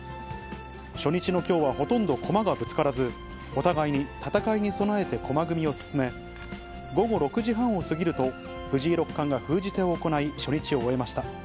初日のきょうはほとんど駒がぶつからず、お互いに戦いに備えて駒組みを進め、午後６時半を過ぎると、藤井六冠が封じ手を行い、初日を終えました。